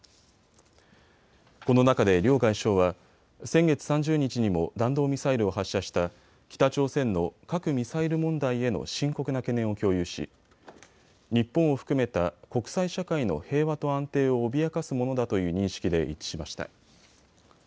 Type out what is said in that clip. この中で両外相は先月３０日にも弾道ミサイルを発射した北朝鮮の核・ミサイル問題への深刻な懸念を共有し日本を含めた国際社会の平和と安定を脅かすものだという認識で一致しました。